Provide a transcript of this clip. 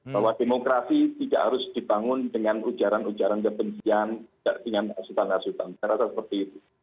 bahwa demokrasi tidak harus dibangun dengan ujaran ujaran kebencian dengan asutan asutan saya rasa seperti itu